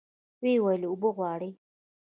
ويې ويل اوبه غواړي.